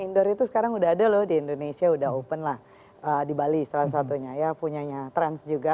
indoor itu sekarang udah ada loh di indonesia udah open lah di bali salah satunya ya punyanya trans juga